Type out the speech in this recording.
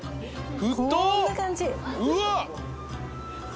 こんな感じ。